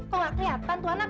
kok gak kelihatan tuh anak